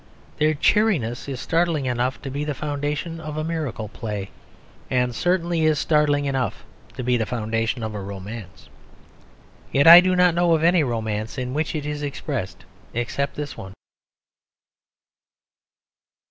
Their cheeriness is startling enough to be the foundation of a miracle play; and certainly is startling enough to be the foundation of a romance. Yet I do not know of any romance in which it is expressed except this one.